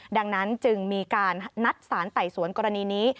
ดังนั้นจึงมีการนัดสารไต่สวนกรณีนี้